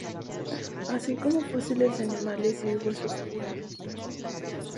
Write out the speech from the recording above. Así como fósiles de animales y huesos humanos.